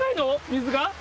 水が？